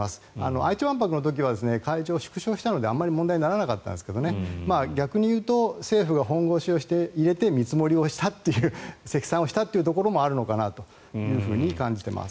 愛知万博の時は会場を縮小したのであまり問題にならなかったんですが逆に言うと政府が本腰を入れて見積もりをしたという積算をしたというところもあるのかなと感じています。